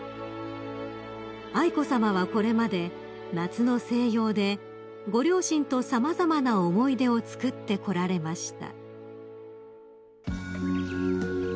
［愛子さまはこれまで夏の静養でご両親と様々な思い出をつくってこられました］